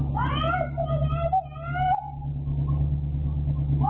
สวัสดีครับ